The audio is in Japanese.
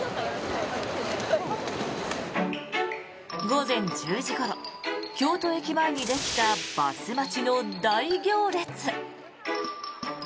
午前１０時ごろ京都駅前にできたバス待ちの大行列。